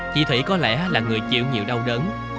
chị thủy có lẽ là người chịu nhiều đau đớn